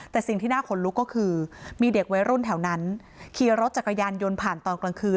แต่สิ่งที่น่าขนลุกก็คือมีเด็กวัยรุ่นแถวนั้นขี่รถจักรยานยนต์ผ่านตอนกลางคืน